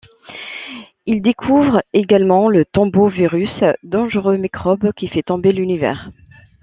Il découvre également le tombo-virus, dangereux microbe qui fait tomber l'univers.